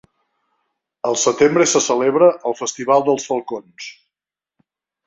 Al setembre se celebra el "Festival dels falcons".